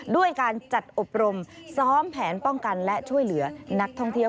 ด้วยการจัดอบรมซ้อมแผนป้องกันและช่วยเหลือนักท่องเที่ยว